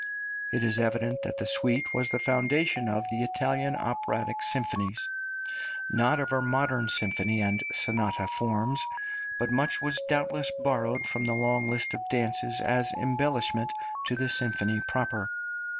It is evident that the suite was the foundation of the Italian operatic symphonies not of our modern symphony and sonata forms but much was doubtless borrowed from the long list of dances as embellishment to the symphony proper.